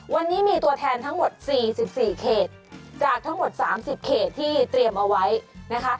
วันนี้มีตัวแทนทั้งหมด๔๔เขตจากทั้งหมด๓๐เขตที่เตรียมเอาไว้นะคะ